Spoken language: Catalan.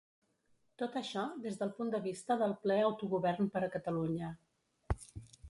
Tot això des del punt de vista del ple autogovern per a Catalunya.